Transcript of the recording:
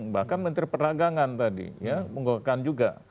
bahkan menteri peragangan tadi mengukakan juga